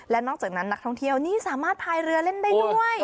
และนอกจากนั้นนักท่องเที่ยวนี่สามารถพายเรือเล่นได้ด้วย